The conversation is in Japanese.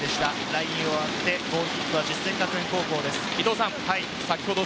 ラインを割ってゴールキックは実践学園高校です。